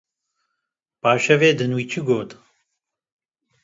Pa şevê din wî û çi got